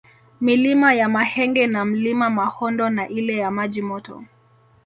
Milima ya Mahenge na Mlima Mahondo na ile ya Maji Moto